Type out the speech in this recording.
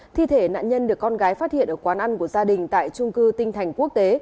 thi thể nạn nhân được con gái phát hiện ở quán ăn của gia đình tại trung cư tinh thành quốc tế